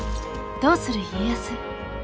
「どうする家康」。